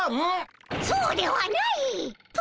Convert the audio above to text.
そうではないっ！